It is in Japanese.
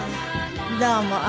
どうも。